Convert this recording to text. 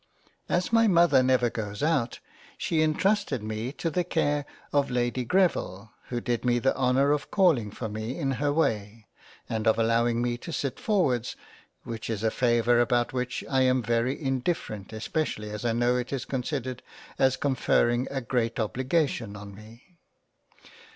As my Mother never goes out she entrusted me to the care of Lady Greville who did 109 £ JANE AUSTEN £ me the honour of calling for me in her way and of allowing me to sit forwards, which is a favour about which I am very indifferent especially as I know it is considered as confering a great obligation on me.